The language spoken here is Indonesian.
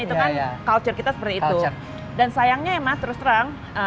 itu kan culture kita seperti itu dan sayangnya ya mas terus terang